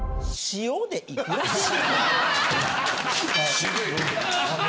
・渋い。